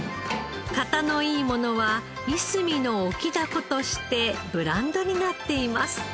型のいいものはいすみの沖ダコとしてブランドになっています。